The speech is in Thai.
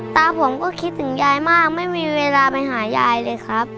ตาผมก็คิดถึงยายมากไม่มีเวลาไปหายายเลยครับ